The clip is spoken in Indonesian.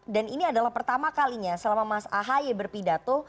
dan ini adalah pertama kalinya selama mas ahai berpidato